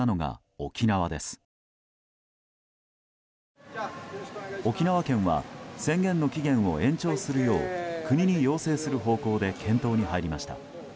沖縄県は宣言の期限を延長するよう国に要請する方向で検討に入りました。